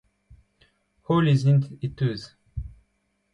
Holl ez aint e teuz.